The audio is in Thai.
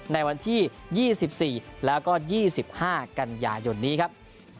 ในวันที่๒๔แล้วก็๒๕กันยายนนี้ครับ